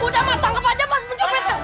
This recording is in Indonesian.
udah mas tangket aja mas bunjukin